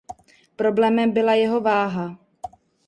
Problémem byla jeho váha.